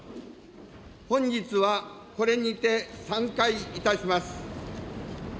本日はこれにて散会いたします。